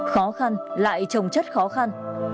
khó khăn lại trồng chất khó khăn